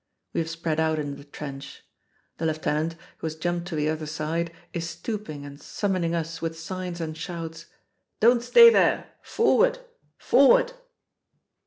We have spread out in the trench. The lieutenant, who has jumped to the other side, is stooping and summoning us with signs and shouts "Don't stay there; forward, forward!"